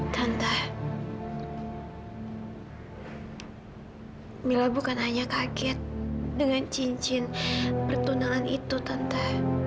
tante mila bukan hanya kaget dengan cincin pertunangan itu tanpa